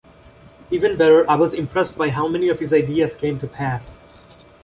Even better, I was impressed by how many of his ideas came to pass.